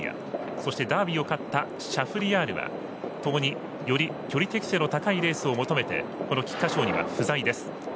そして、ダービーを勝ったシャフリヤールはともに、より距離適正の高いレースを求めてこの菊花賞には不在です。